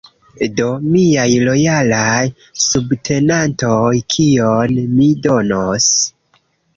Do, miaj lojalaj subtenantoj: kion mi donos?